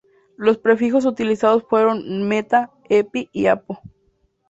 Los prefijos utilizados fueron meta, epi y apo.